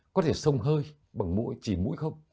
có thể sông hơi bằng mũi chỉ mũi không